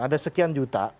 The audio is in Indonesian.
ada sekian juta